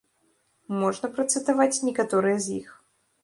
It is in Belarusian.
Можна працытаваць некаторыя з іх.